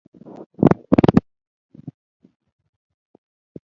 بایسکل د هر عمر خلکو ته مناسب دی.